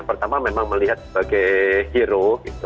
pertama memang melihat sebagai hero